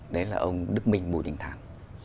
đấy là ông đức minh bùi đình thàn